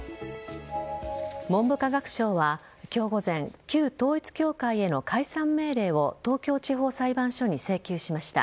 文部科学省は今日午前旧統一教会への解散命令を東京地方裁判所に請求しました。